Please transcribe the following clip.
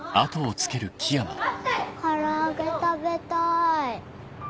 唐揚げ食べたい。